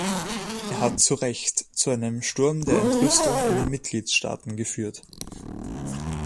Er hat zu Recht zu einem Sturm der Entrüstung in den Mitgliedstaaten geführt.